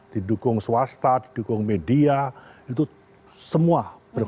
didukung swasta didukung media itu semua